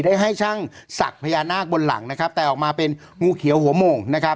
ได้ให้ช่างศักดิ์พญานาคบนหลังนะครับแต่ออกมาเป็นงูเขียวหัวโมงนะครับ